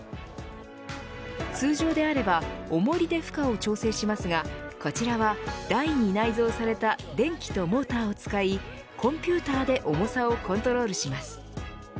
通常であれば重りで負荷を調整しますがこちらは台に内蔵された電気とモーターを使いコンピューターで重さをコントロールします。